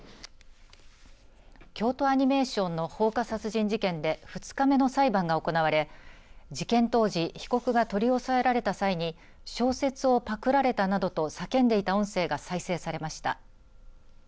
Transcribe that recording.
京都アニメーションの放火殺人事件で２日目の裁判が行われ事件当時被告が取り押さえられた際に小説をぱくられたなどと叫んでいた音声が再生されました。